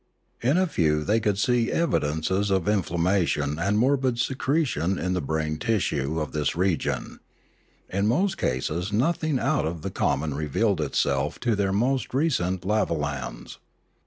In a few they could see evidences of in flammation and morbid secretion in the brain tissue of this region; in most cases nothing out of the com mon revealed itself to their most recent lavolans.